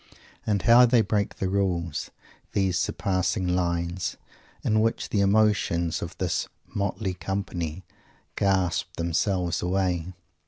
And how they break the rules, these surpassing lines, in which the emotions of his motley company gasp themselves away!